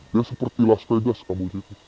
ya seperti las vegas kamboja itu